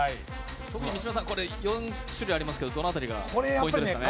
特に三島さん、４種類ありますけどどこがポイントですかね。